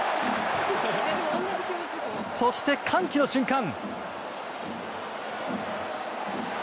そして歓喜の瞬間。